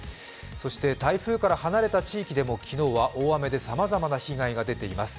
そして台風から離れた地域でも昨日は大雨でさまざまな被害が出ています。